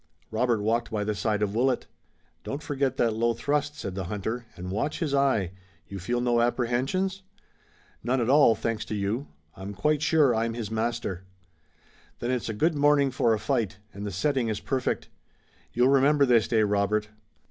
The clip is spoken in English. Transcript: Robert walked by the side of Willet. "Don't forget that low thrust," said the hunter, "and watch his eye. You feel no apprehensions?" "None at all, thanks to you. I'm quite sure I'm his master." "Then it's a good morning for a fight, and the setting is perfect. You'll remember this day, Robert.